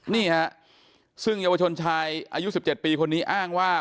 นี่ฮะซึ่งเยาวชนชายอายุ๑๗ปีคนนี้อ้างว่า